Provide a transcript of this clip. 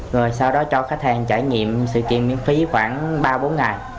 rồi sau đó cho khách hàng trải nghiệm sự kiện miễn phí khoảng ba bốn ngày